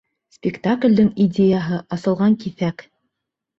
Спектаклдең идеяһы асылған киҫәк!